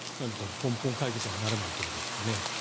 根本解決にはならないということですね。